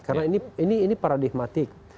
karena ini paradigmatik